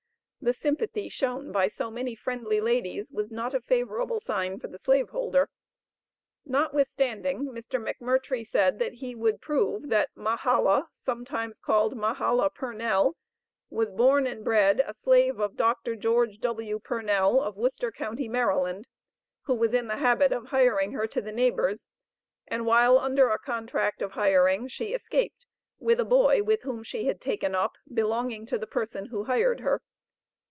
The sympathy shown by so many friendly ladies, was not a favorable sign for the slave holder. Notwithstanding, Mr. McMurtrie said that he would "prove that Mahala, sometimes called Mahala Purnell, was born and bred a slave of Dr. George W. Purnell, of Worcester county, Maryland, who was in the habit of hiring her to the neighbors, and while under a contract of hiring, she escaped with a boy, with whom she had taken up, belonging to the person who hired her."